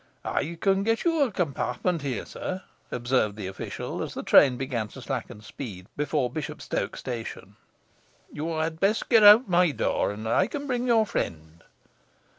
'I can get you a compartment here, sir,' observed the official, as the train began to slacken speed before Bishopstoke station. 'You had best get out at my door, and I can bring your friend.